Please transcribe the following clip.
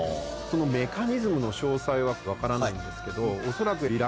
そのメカニズムの詳細は分からないんですけど恐らく。